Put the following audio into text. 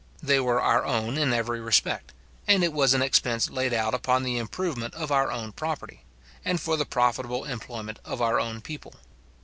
They were our own in every respect, and it was an expense laid out upon the improvement of our own property, and for the profitable employment of our own people.